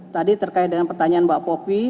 tadi terkait dengan pertanyaan mbak popi